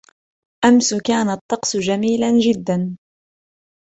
امس كان الطقس جميلا جداً.